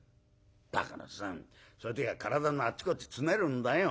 「だからさそういう時は体のあっちこっちつねるんだよ」。